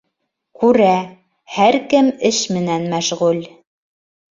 Күрә: һәр кем эш менән мәшғүл.